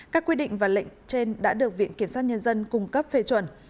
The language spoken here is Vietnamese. các quy định và lệnh trên đã được viện kiểm soát nhân dân cung cấp phê chuẩn